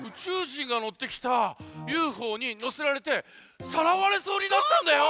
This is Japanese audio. じんがのってきたＵＦＯにのせられてさらわれそうになったんだよ！